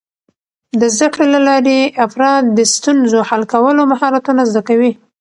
د زده کړې له لارې، افراد د ستونزو حل کولو مهارتونه زده کوي.